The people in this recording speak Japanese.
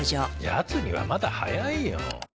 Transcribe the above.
やつにはまだ早いよ。